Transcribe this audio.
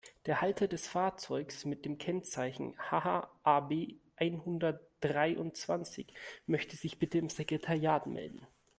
Der Halter des Fahrzeugs mit dem Kennzeichen HH-AB-einhundertdreiundzwanzig möchte sich bitte im Sekretariat melden.